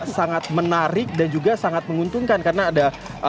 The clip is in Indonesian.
sangat menarik dan juga sangat menguntungkan karena ada